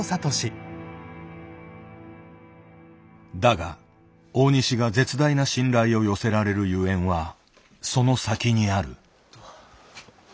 だが大西が絶大な信頼を寄せられるゆえんはその先にある。